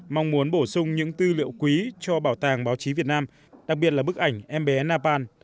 mong muốn bổ sung những tư liệu quý cho bảo tàng báo chí việt nam đặc biệt là bức ảnh em bé napan